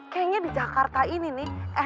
kayaknya di jakarta ini nih